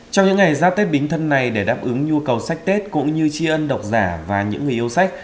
trong những ngày giáp tết bính thân này để đáp ứng nhu cầu sách tết cũng như tri ân độc giả và những người yêu sách